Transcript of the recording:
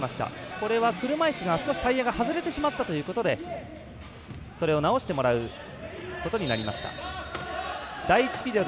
これは、車いすが少しタイヤが外れてしまったということでそれを直してもらうことになりました。